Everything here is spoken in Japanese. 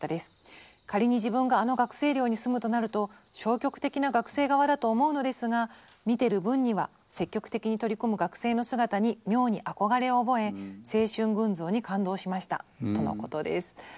仮に自分があの学生寮に住むとなると消極的な学生側だと思うのですが見てる分には積極的に取り組む学生の姿に妙に憧れを覚え青春群像に感動しました」とのことです。